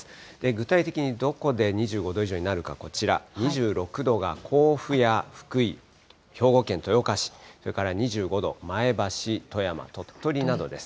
具体的にどこで２５度以上になるか、こちら、２６度が甲府や福井、兵庫県豊岡市、それから２５度、前橋、富山、鳥取などです。